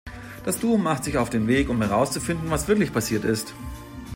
Das Duo macht sich auf den Weg, um herauszufinden, was wirklich passiert ist.